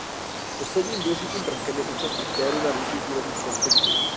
Posledním důležitým prvkem je účast aktérů na různých úrovních konfliktu.